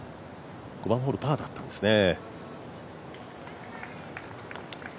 ５番ホール、パーだったんですね。